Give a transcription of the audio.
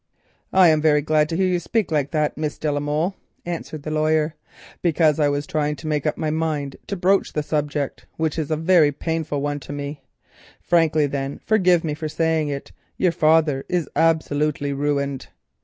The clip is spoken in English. "I am very glad to hear you speak so, Miss de la Molle," answered the lawyer, "because I was trying to make up my mind to broach the subject, which is a painful one to me. Frankly, then—forgive me for saying it, your father is absolutely ruined.